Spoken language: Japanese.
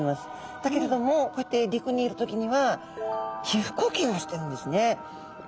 だけれどもこうやって陸にいる時には皮ふ呼吸をしてるんですね。